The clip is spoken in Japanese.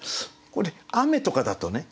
これ「雨」とかだとね